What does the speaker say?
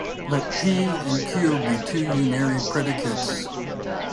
Let "p" and "q" be two unary predicates.